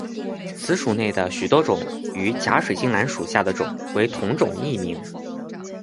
此属内的许多种与假水晶兰属下的种为同种异名。